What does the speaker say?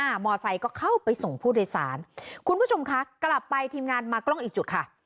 มอไซค์ก็เข้าไปส่งผู้โดยสารคุณผู้ชมคะกลับไปทีมงานมากล้องอีกจุดค่ะ